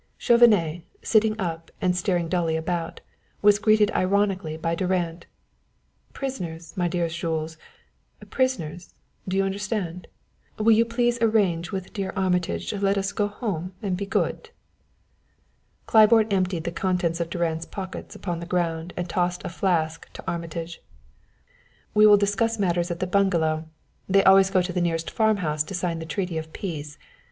Chauvenet, sitting up and staring dully about, was greeted ironically by Durand: "Prisoners, my dearest Jules; prisoners, do you understand? Will you please arrange with dear Armitage to let us go home and be good?" Claiborne emptied the contents of Durand's pockets upon the ground and tossed a flask to Armitage. "We will discuss matters at the bungalow. They always go to the nearest farm house to sign the treaty of peace.